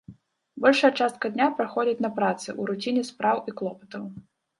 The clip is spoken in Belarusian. Большая частка дня праходзіць на працы, у руціне спраў і клопатаў.